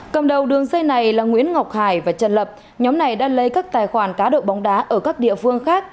cầm đầu đường dây này là nguyễn ngọc hải và trần lập nhóm này đã lấy các tài khoản cá độ bóng đá ở các địa phương khác